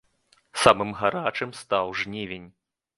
Самым гарачым стаў жнівень.